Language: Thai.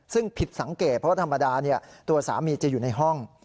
ซึ่งผิดสังเกตเพราะว่าธรรมดาตัวสามีจะอยู่ในห้อง